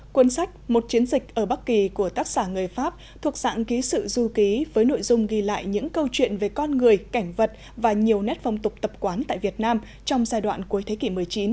cuốn sách một chiến dịch ở bắc kỳ của tác giả người pháp thuộc dạng ký sự du ký với nội dung ghi lại những câu chuyện về con người cảnh vật và nhiều nét phong tục tập quán tại việt nam trong giai đoạn cuối thế kỷ một mươi chín